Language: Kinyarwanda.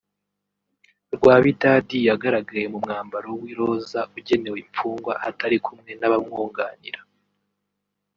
Rwabidadi yagaragaye mu mwambaro w’iroza ugenewe imfungwa atari kumwe n’abamwunganira